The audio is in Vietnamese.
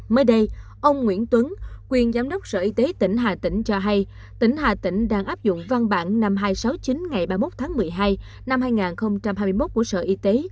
mới đây ông nguyễn tuấn quyền giám đốc sở y tế tỉnh hà tĩnh cho hay tỉnh hà tĩnh đang áp dụng văn bản năm nghìn hai trăm sáu mươi chín ngày ba mươi một tháng một mươi hai năm hai nghìn hai mươi một của sở y tế